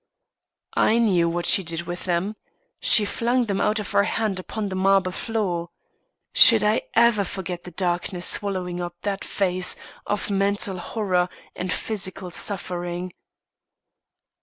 I knew what she did with them. She flung them out of her hand upon the marble floor. Should I ever forget the darkness swallowing up that face of mental horror and physical suffering.